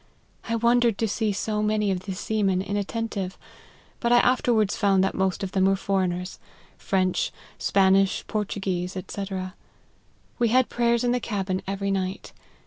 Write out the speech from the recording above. I wondered to see so many of the seamen inattentive ; but I afterwards found that most of them were foreigners, French, Span ish, Portuguese, &c. We had prayers in the cabin every night.